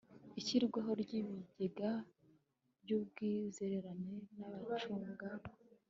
ishyirwaho ry ibigega by ubwizerane n abacunga